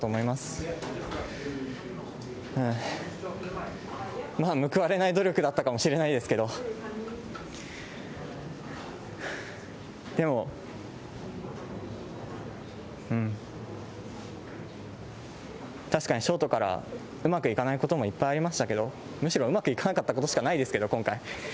まあ報われない努力だったかもしれないですけど、でも、うん、確かにショートからうまくいかないこともいっぱいありましたけど、むしろうまくいかなかったことしかないですけど、今回。